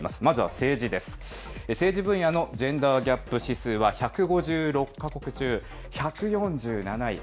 政治分野のジェンダーギャップ指数は、１５６か国中１４７位。